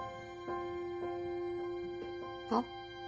あっ。